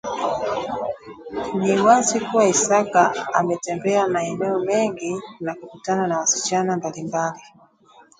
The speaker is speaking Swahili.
Ni wazi kuwa Isaka ametembea maneneo mengi na kukutana na wasichana mbalimbali